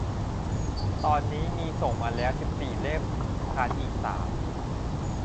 ตอนนี้มีส่งมาแล้วสิบสี่เล่ม ขาดอีกสาม